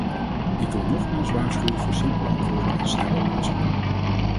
Ik wil nogmaals waarschuwen voor simpele antwoorden en snelle oplossingen.